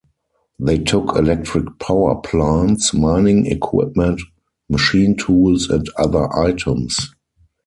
They took electric power plants, mining equipment, machine tools, and other items.